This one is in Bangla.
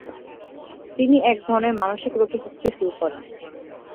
তিনি একধরনের মানসিক রোগে ভুগতে শুরু করেন।